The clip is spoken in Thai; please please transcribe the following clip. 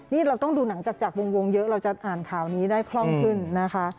นี่เราต้องดูหนังจากวงเยอะเราจะอ่านข่าวนี้ได้คล่องขึ้นนะคะ